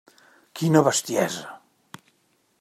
Quina bestiesa!